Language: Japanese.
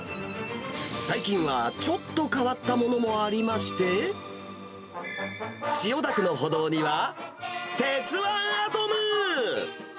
最近はちょっと変わったものもありまして、千代田区の歩道には、鉄腕アトム。